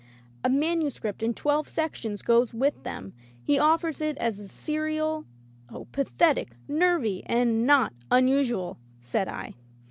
A manuscript in twelve sections goes with them. He offers it as a serial. ..." "Pathetic, nervy, and not unusual," said I.